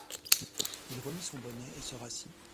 Il remit son bonnet, et se rassit.